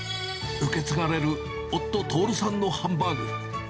受け継がれる、夫、とおるさんのハンバーグ。